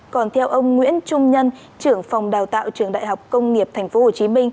còn theo ông nguyễn trung nhân trưởng phòng đào tạo trường đại học công nghiệp tp hcm